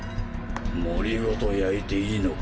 森ごと焼いていいのか？